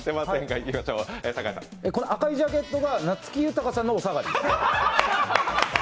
赤いジャケットが夏木さんのお下がり？